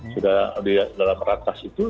sudah di dalam ratas itu